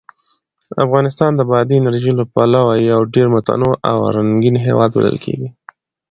افغانستان د بادي انرژي له پلوه یو ډېر متنوع او رنګین هېواد بلل کېږي.